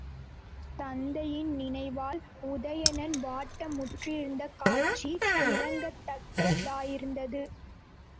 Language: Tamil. தத்தையின் நினைவால் உதயணன் வாட்ட முற்றிருந்த காட்சி இரங்கத்தக்கதாயிருந்தது.